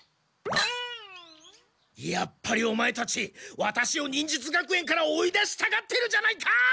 やっぱりオマエたちワタシを忍術学園から追い出したがってるじゃないか！